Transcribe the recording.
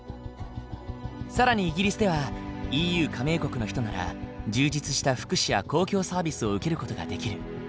更にイギリスではＥＵ加盟国の人なら充実した福祉や公共サービスを受ける事ができる。